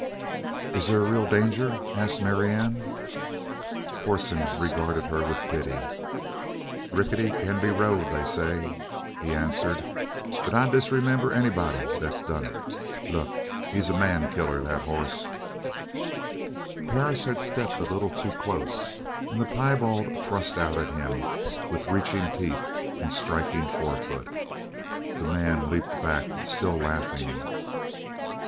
"Is there real danger?" asked Marianne. Corson regarded her with pity. "Rickety can be rode, they say," he answered, "but I disremember anybody that's done it. Look! He's a man killer that hoss!" Perris had stepped a little too close and the piebald thrust out at him with reaching teeth and striking forefoot. The man leaped back, still laughing.